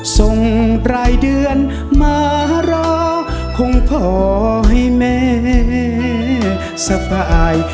ส่งปลายเดือนมารอคงพอให้แม่สบาย